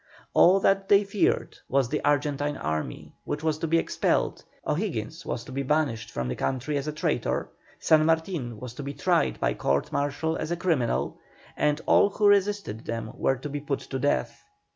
All that they feared was the Argentine army, which was to be expelled, O'Higgins was to be banished from the country as a traitor, San Martin was to be tried by court martial as a criminal, and all who resisted them were to be put to death.